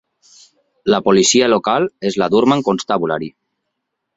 La policia local és la Durham Constabulary.